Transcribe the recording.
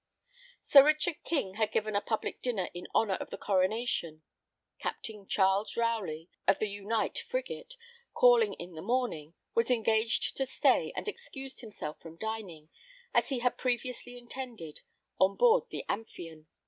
Sir Richard King had given a public dinner in honor of the coronation. Captain Charles Rowley, of the Unite frigate, calling in the morning, was engaged to stay, and excused himself from dining, as he had previously intended, on board the Amphion.